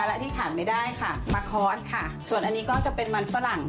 และที่ขาดไม่ได้ค่ะมาคอร์สค่ะส่วนอันนี้ก็จะเป็นมันฝรั่ง